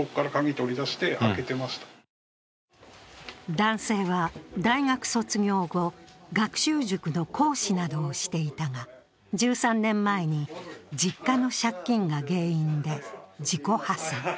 男性は大学卒業後学習塾の講師などをしていたが１３年前に実家の借金が原因で自己破産。